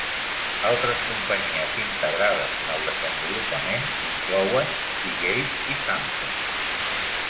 Altres companyies integrades en el desenvolupament inclouen Seagate i Samsung.